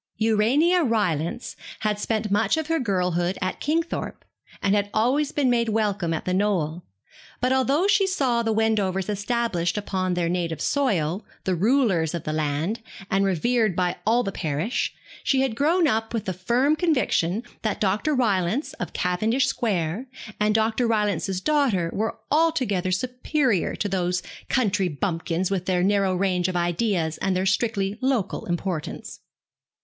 Urania Rylance had spent much of her girlhood at Kingthorpe, and had always been made welcome at The Knoll; but although she saw the Wendovers established upon their native soil, the rulers of the land, and revered by all the parish, she had grown up with the firm conviction that Dr. Rylance, of Cavendish Square, and Dr. Rylance's daughter were altogether superior to these country bumpkins, with their narrow range of ideas and their strictly local importance.